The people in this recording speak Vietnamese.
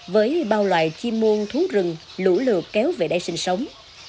với bao loài chim muôn thú rừng lũ lược kéo về đây sinh sống